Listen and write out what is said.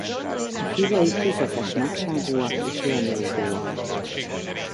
A fülei közepes nagyságúak és lelógóak.